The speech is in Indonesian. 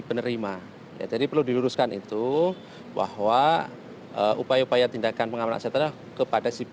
penerima jadi perlu diluruskan itu bahwa upaya upaya tindakan pengaman aset adalah kepada si penerima